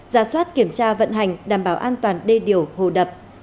ra soát kiểm tra vận hành đảm bảo an toàn đê điều hồ đập